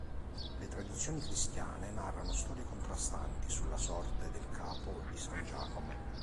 Le tradizioni cristiane narrano storie contrastanti sulla sorte del capo di San Giacomo.